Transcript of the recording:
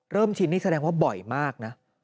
ชินนี่แสดงว่าบ่อยมากนะ